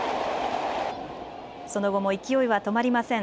その後も勢いは止まりません。